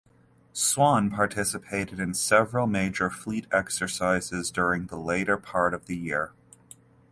"Swan" participated in several major fleet exercises during the latter part of the year.